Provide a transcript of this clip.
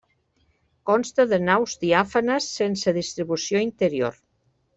Consta de naus diàfanes sense distribució interior.